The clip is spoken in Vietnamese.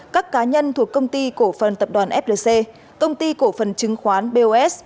các cá nhân thuộc công ty cổ phần tập đoàn flc công ty cổ phần chứng khoán bos